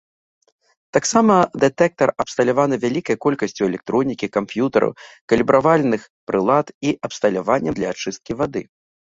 Таксама дэтэктар абсталяваны вялікай колькасцю электронікі, камп'ютараў, калібравальных прылад і абсталяваннем для ачысткі вады.